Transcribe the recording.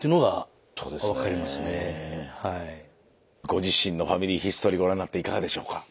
ご自身の「ファミリーヒストリー」ご覧になっていかがでしょうか。